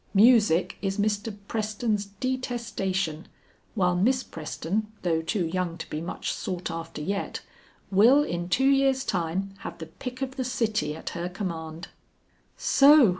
Music is Mr. Preston's detestation, while Miss Preston though too young to be much sought after yet, will in two years' time have the pick of the city at her command." "So!"